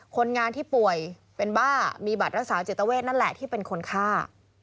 คนงานที่ป่วยเป็นบ้ามีบัตรรักษาจิตเวทนั่นแหละที่เป็นคนฆ่า